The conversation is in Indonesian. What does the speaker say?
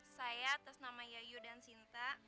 saya atas nama yayu dan sinta